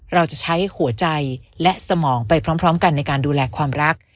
เราจะใช้หัวใจและสมองไปพร้อมกันในการดูแลความรัก